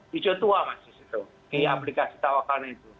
hijau tua masjid itu di aplikasi tawakana itu